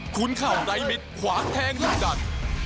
คุ้นเข่าใดมิดขวางแทงทุกดัน